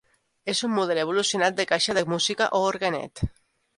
És un model evolucionat de caixa de música o orguenet.